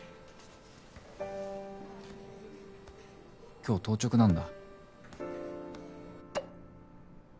「今日当直なんだ」。